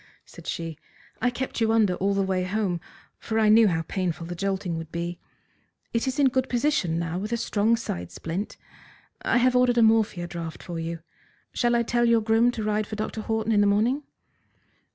said she. "I kept you under all the way home, for I knew how painful the jolting would be. It is in good position now with a strong side splint. I have ordered a morphia draught for you. Shall I tell your groom to ride for Dr. Horton in the morning?"